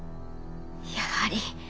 やはり。